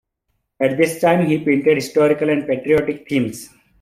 At this time, he painted historical and patriotic themes.